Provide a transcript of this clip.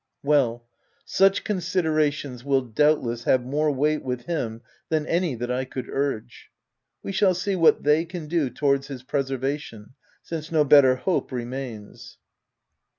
Well ! such considerations will doubtless have more weight with him than any that I could urge. We shall see what they can do towards his preservation, since no better hope remains.